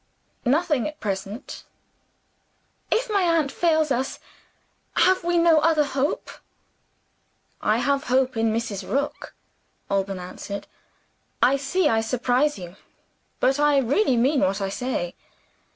"Nothing at present." "If my aunt fails us, have we no other hope?" "I have hope in Mrs. Rook," Alban answered. "I see I surprise you; but I really mean what I say.